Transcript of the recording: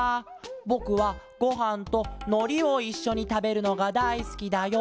ぼくはごはんとのりをいっしょにたべるのがだいすきだよ」。